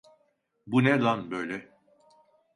Bu ne lan böyle?